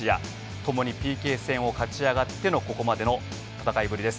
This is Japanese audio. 共にＰＫ戦を勝ち上がってのここまでの戦いぶりです。